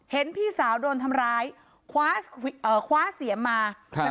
เห็นพี่สาวโดนทำร้ายคว้าเอ่อคว้าเสียมมาครับ